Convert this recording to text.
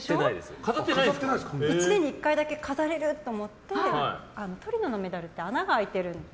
１年に１回だけ飾れるって思ってトリノのメダルって穴が開いているんです。